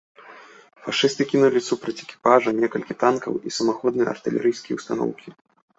Фашысты кінулі супраць экіпажа некалькі танкаў і самаходныя артылерыйскія ўстаноўкі.